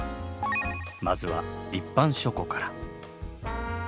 まずは一般書庫から。